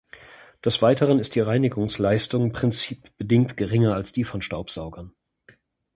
Des Weiteren ist die Reinigungsleistung prinzipbedingt geringer als die von Staubsaugern.